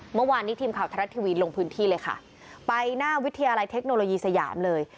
เมื่อวานนี้ทีมข่าวไทยรัฐทีวีลงพื้นที่เลยค่ะไปหน้าวิทยาลัยเทคโนโลยีสยามเลย